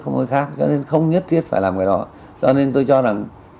giao thông tại việt nam